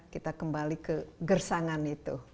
kita kembali kegersangan itu